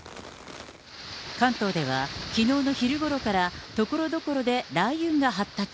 関東では、きのうの昼ごろからところどころで雷雲が発達。